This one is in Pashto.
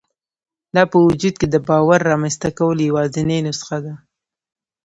دا په وجود کې د باور رامنځته کولو یوازېنۍ نسخه ده